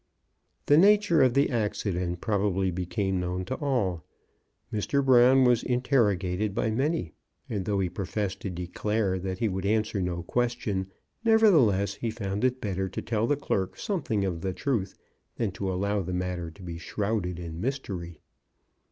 The nature of the accident probably became known to all. Mr. Brown was interrogated by many, and though he professed to declare that he would answer no question, nevertheless he found it better to tell the clerk something of the truth than to allow the matter to be shrouded in mystery.